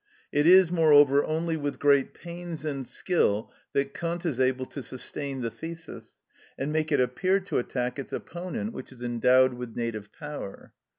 It is, moreover, only with great pains and skill that Kant is able to sustain the thesis, and make it appear to attack its opponent, which is endowed with native power.